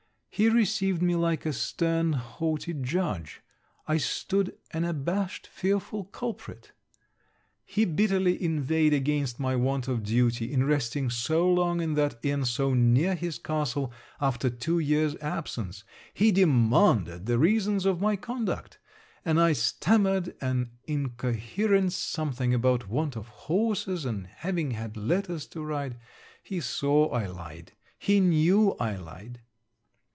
He received me like a stern haughty judge; I stood an abashed fearful culprit. He bitterly inveighed against my want of duty, in resting so long in that inn so near his castle, after two years absence. He demanded the reasons of my conduct; and I stammered an incoherent something about want of horses, and having had letters to write. He saw I lied. He knew I lied.